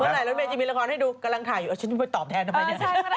เมื่อไหร่ละไม่จะมีละครให้ดูกำลังถ่ายตอบแทนทำไมเนี่ย